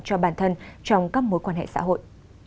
cho bản thân trong các mối quan hệ xã hội